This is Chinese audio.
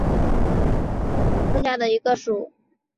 驼石鳖属为石鳖目石鳖科下的一个属。